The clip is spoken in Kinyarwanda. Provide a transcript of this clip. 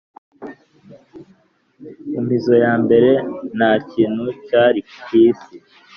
mu mizo ya mbere, nta kintu cyari ku isi.